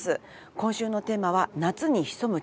今週のテーマは夏に潜む危険。